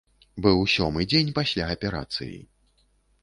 Быў сёмы дзень пасля аперацыі.